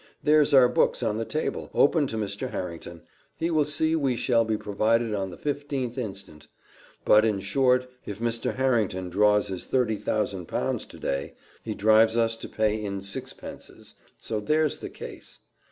There's our books on the table, open to Mr. Harrington he will see we shall be provided on the fifteenth instant; but, in short, if Mr. Harrington draws his £30,000 to day, he drives us to pay in sixpences so there's the case.